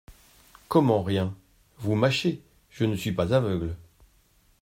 Comment ! rien !… Vous mâchez, je ne suis pas aveugle.